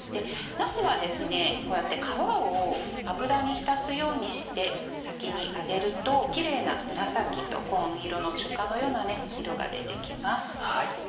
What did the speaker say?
なすはこうやって皮を油に浸すようにして先に揚げるとキレイな紫と紺色の中間のような色が出てきます。